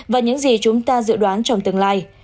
và những gì chúng ta dự đoán trong tương lai